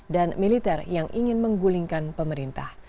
dan militer yang ingin menggulingkan pemerintah